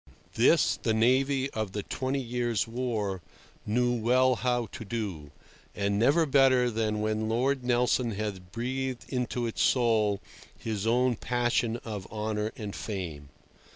This the navy of the Twenty Years' War knew well how to do, and never better than when Lord Nelson had breathed into its soul his own passion of honour and fame.